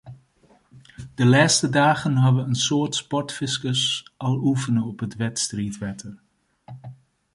De lêste dagen hawwe in soad sportfiskers al oefene op it wedstriidwetter.